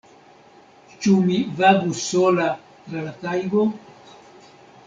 Ĉu mi vagu sola tra la tajgo?